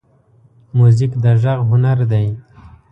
موزیک د غږ هنر دی.